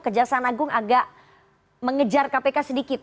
kejaksaan agung agak mengejar kpk sedikit